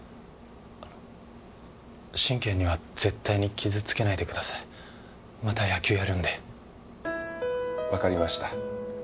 あの神経には絶対に傷つけないでくださいまた野球やるんで分かりました